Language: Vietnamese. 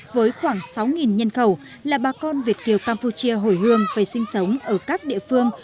với khoảng sáu nhân khẩu là bà con việt kiều campuchia hồi hương về sinh sống ở các địa phương